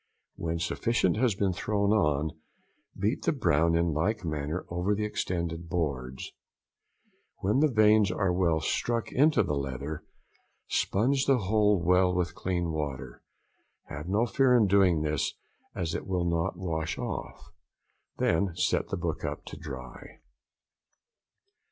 When sufficient has been thrown on, beat the brown in like manner over the extended boards. When the veins are well struck into the leather, sponge the whole well with clean water. Have no fear in doing this as it will not wash off. Then set the book up to dry.